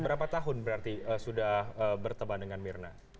berapa tahun berarti sudah berteman dengan mirna